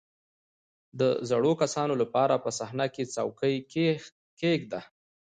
• د زړو کسانو لپاره په صحنه کې څوکۍ کښېږده.